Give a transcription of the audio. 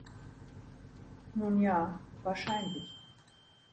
Nun ja, wahrscheinlich.